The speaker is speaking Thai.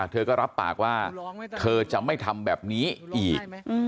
เธอก็รับปากว่าเธอจะไม่ทำแบบนี้อีก